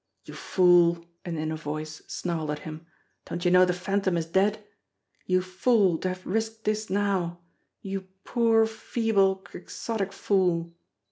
"You fool !" an inner voice snarled at him. "Don't you know the Phantom is dead ! You fool, to have risked this now! You poor, feeble, quixotic fool!"